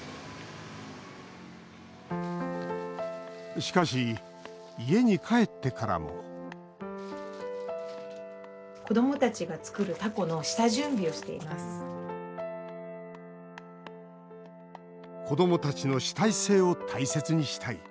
しかし、家に帰ってからも子どもたちの主体性を大切にしたい。